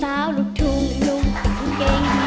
สาวหลุดทุ่งลุงตังเกงหยีม